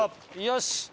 よし！